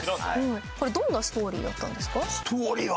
これどんなストーリーだったんですか？